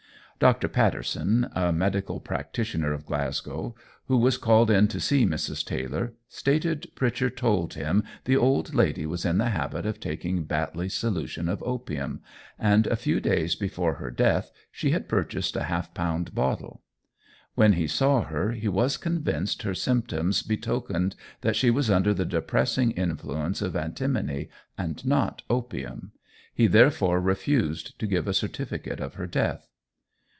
Dr. Paterson, a medical practitioner of Glasgow, who was called in to see Mrs. Taylor, stated Pritchard told him the old lady was in the habit of taking Batley's solution of opium, and a few days before her death, she had purchased a half pound bottle. When he saw her, he was convinced her symptoms betokened that she was under the depressing influence of antimony, and not opium. He therefore refused to give a certificate of her death.